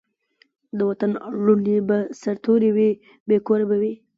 د وطن لوڼي به سرتوري وي بې کوره به وي